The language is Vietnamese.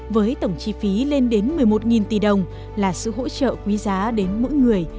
với tổng chi phí lên đến một mươi một tỷ đồng là sự hỗ trợ quý giá đến mỗi người